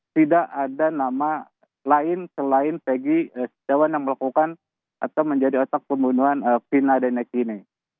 tidak ada nama lain selain pegi setiawan yang melakukan atau menjadi otak pembunuhan pina denek ini